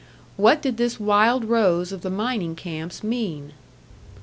What did this wild rose of the mining camps mean?